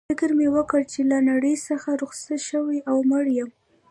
فکر مې وکړ چي له نړۍ څخه رخصت شوی او مړ یم.